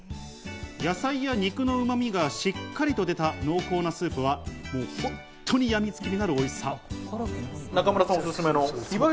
野菜や肉のうま味がたっぷりと出た濃厚なスープは本当にやみつきになるおいしさ。